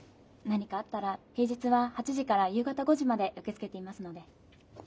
何かあったら平日は８時から夕方５時まで受け付けていますので。